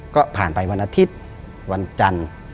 ก็ผ่านไปวันอาทิตย์วันจันทร์